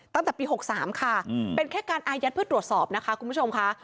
ตั้งแต่ปี๖๓ค่ะเป็นแค่การอายัดเพื่อตรวจสอบนะคะคุณผู้ชมค่ะ